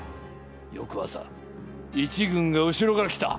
よくあさ一軍が後ろから来た。